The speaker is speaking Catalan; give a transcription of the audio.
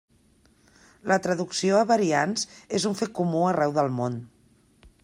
La traducció a variants és un fet comú arreu del món.